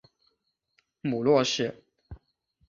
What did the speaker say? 母骆氏。